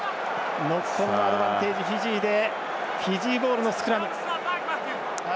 ノックオンのアドバンテージフィジーでフィジーボールのスクラム。